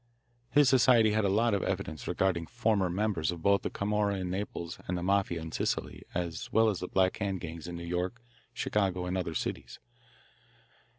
His society had a lot of evidence regarding former members of both the Camorra in Naples and the Mafia in Sicily, as well as the Black Hand gangs in New York, Chicago, and other cities.